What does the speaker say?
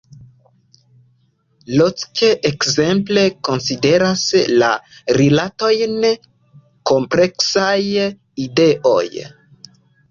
Locke, ekzemple, konsideras la rilatojn “kompleksaj ideoj”.